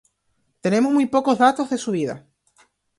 Tenemos muy pocos datos de su vida.